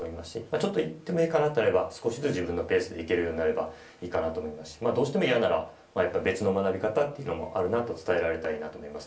ちょっと行ってもいいかなとなれば少しずつ自分のペースで行けるようになればいいかなと思いますしどうしても嫌なら別の学び方もあると伝えられたらいいなと思います。